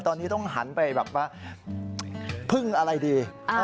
ตอนนี้ต้องหันไปแบบว่าพึ่งอะไรดี